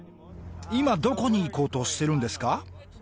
今どこに行こうとしてるんですか？